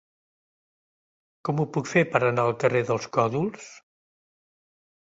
Com ho puc fer per anar al carrer dels Còdols?